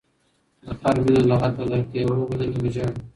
د خر مینه لګته ده، که یې ووهلی بیا به ژاړی.